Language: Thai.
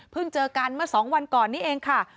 เพิ่งเจอกันเมื่อสองวันก่อนนี้เองค่ะ